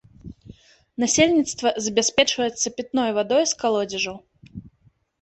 Насельніцтва забяспечваецца пітной вадой з калодзежаў.